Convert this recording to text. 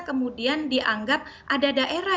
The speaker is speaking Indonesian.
kemudian dianggap ada daerah